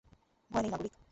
ভয় নেই, নাগরিক।